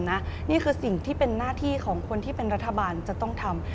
นี่คือสิ่งที่เป็นหน้าที่ของคนที่เป็นรัฐบาลจะต้องทำ